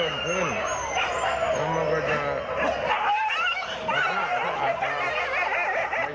ที่คนภาพมีอย่างสำหรับนี้ไหมหรือมันจะเพิ่มขึ้น